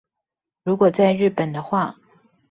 如果在日本的話